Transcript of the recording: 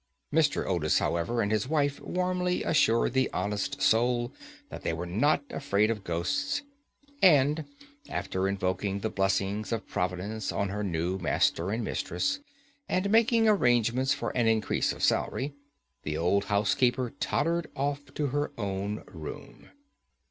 Mr. Otis, however, and his wife warmly assured the honest soul that they were not afraid of ghosts, and, after invoking the blessings of Providence on her new master and mistress, and making arrangements for an increase of salary, the old housekeeper tottered off to her own room.